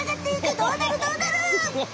どうなるどうなる？